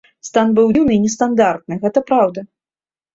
Стан быў дзіўны і нестандартны, гэта праўда.